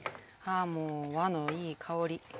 もう和のいい香り。